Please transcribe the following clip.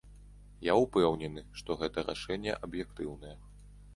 Я ўпэўнены, што гэта рашэнне аб'ектыўнае.